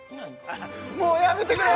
もうやめてくれ！